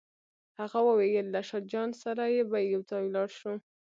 هغه وویل له شاه جان سره به یو ځای ولاړ شو.